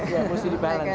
iya mesti di balance kan